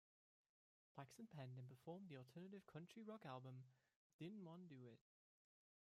Plakson penned and performed the alternative country rock album DidnWannaDoIt!